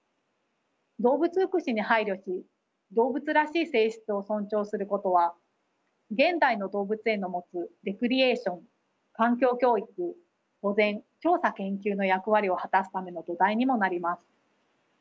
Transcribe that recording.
動物福祉に配慮し動物らしい性質を尊重することは現代の動物園の持つレクリエーション環境教育保全調査研究の役割を果たすための土台にもなります。